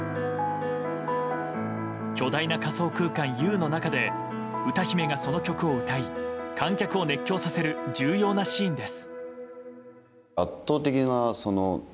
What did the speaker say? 巨大な仮想世界Ｕの中で歌姫がその曲を歌い観客を熱狂させる重要なシーンです。